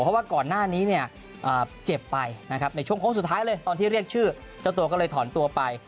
เพราะว่าก่อนหน้านี้เนี่ยเจ็บไปนะครับในช่วงโค้งสุดท้ายเลยตอนที่เรียกชื่อเจ้าตัวก็เลยถอนตัวไป